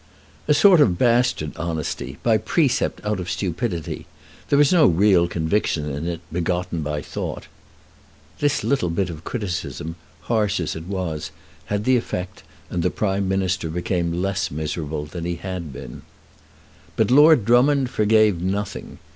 "A sort of bastard honesty, by precept out of stupidity. There is no real conviction in it, begotten by thought." This little bit of criticism, harsh as it was, had the effect, and the Prime Minister became less miserable than he had been. But Lord Drummond forgave nothing.